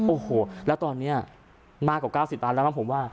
โอ้โหแล้วตอนเนี้ยมากกว่าเก้าสิบอันแล้วนะผมว่า